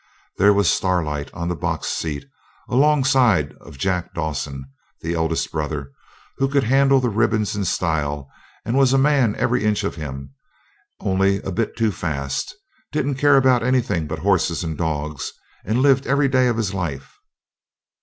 There was Starlight on the box seat, alongside of Jack Dawson, the eldest brother, who could handle the ribbons in style, and was a man every inch of him, only a bit too fast; didn't care about anything but horses and dogs, and lived every day of his life.